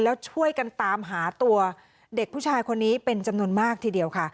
แล้วช่วยกันตามหาตัวเด็กผู้ชายคนนี้เป็นจำนวนมากทีเดียวค่ะ